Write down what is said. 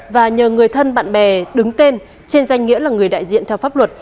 và nhờ người thân bạn bè đứng tên trên danh nghĩa là người đại diện theo pháp luật